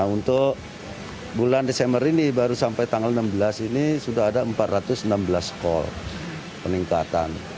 untuk bulan desember ini baru sampai tanggal enam belas ini sudah ada empat ratus enam belas call peningkatan